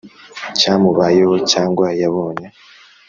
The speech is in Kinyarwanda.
cyamubayeho cyangwa yabonye